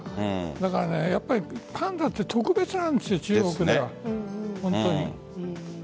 だから、パンダって特別なんですよ、中国からすると。